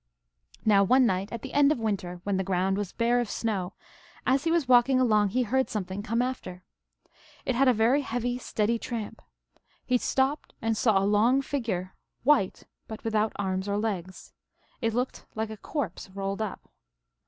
44 Now, one night at the end of winter, when the ground was bare of snow, as he was walking along he heard something come after. It had a very heavy, steady tramp. He stopped, and saw a long figure, white, but without arms or legs. It looked like a corpse rolled up.